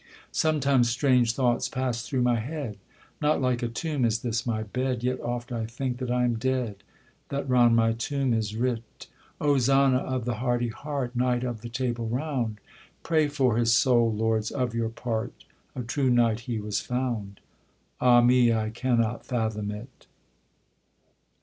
Sometimes strange thoughts pass through my head; Not like a tomb is this my bed, Yet oft I think that I am dead; That round my tomb is writ, 'Ozana of the hardy heart, Knight of the Table Round, Pray for his soul, lords, of your part; A true knight he was found.' Ah! me, I cannot fathom it.